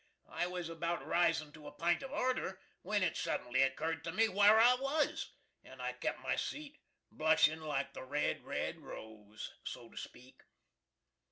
I was about risin to a pint of order, when it suddenly occurd to me whare I was, and I kept my seat, blushin like the red, red rose so to speak.